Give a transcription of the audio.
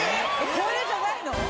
これじゃないの？